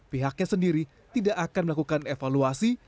pihaknya sendiri tidak akan melakukan evaluasi